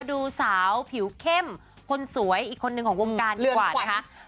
ดูสาวผิวเข้มคนสวยอีกคนนึงของวงการดีกว่านะคะ